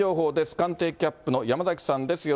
官邸キャップの山崎さんです、よ